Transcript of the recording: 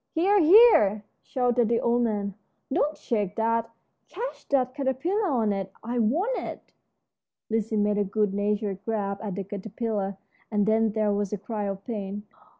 "Here, here!" shouted the old man, "don't shake that; catch that caterpillar on it. I want it." Lizzie made a good natured grab at the caterpillar, and then there was a cry of pain.